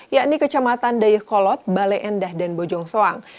yakni kecamatan dayakolot baleendah dan bojongsoang